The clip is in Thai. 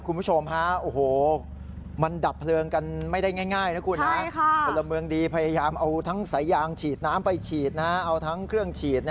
รู้ป่ะว่านี่เลยเย็นไป